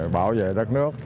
bảo vệ đất nước